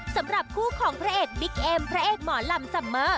สำหรับคู่ของพระเอกบิ๊กเอ็มพระเอกหมอลำซัมเมอร์